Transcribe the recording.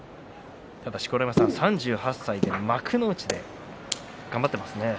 ただ錣山さん、３８歳で幕内で頑張っていますね。